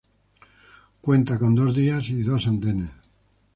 Cuenta con dos vías y dos andenes.